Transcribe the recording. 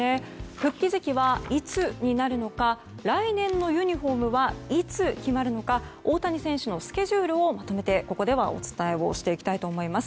復帰時期はいつになるのか来年のユニホームはいつ決まるのか大谷選手のスケジュールをまとめてお伝えしていきたいと思います。